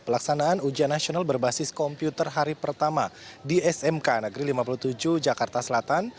pelaksanaan ujian nasional berbasis komputer hari pertama di smk negeri lima puluh tujuh jakarta selatan